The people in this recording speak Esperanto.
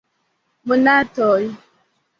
Monatoj!